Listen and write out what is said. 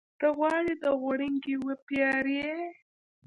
ته غواړې د غوږيکې وپېرې؟